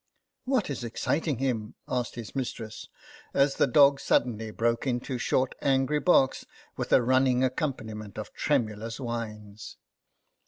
" What is exciting him ?" asked his mis tress, as the dog suddenly broke into short angry barks, with a running accompaniment of tremulous whines.